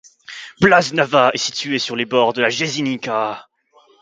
Blaznava est située sur les bords de la Jasenica.